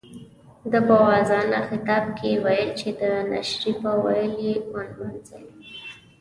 ده په واعظانه خطاب کې ویل چې د نشرې په ويلو یې ونمانځئ.